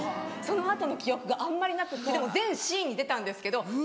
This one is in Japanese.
その後の記憶があんまりなくってでも全シーンに出たんですけど。